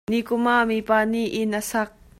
Nikum ah mipa nih inn a sak.